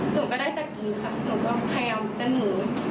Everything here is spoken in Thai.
หนูก็ได้จัดกรีกหนูก็พยายามจะหนี